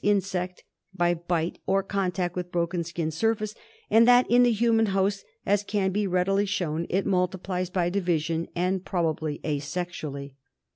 ^^^^^ ^V ^^'^ iuSCCt by bite or contact with broken skin surface; and that in the human host, as can be readily ^ shown, it multiplies by division and probably asexually.